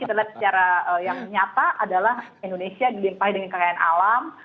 jadi ya mungkin kita lihat secara nyata adalah indonesia dilimpahi dengan kekayaan awam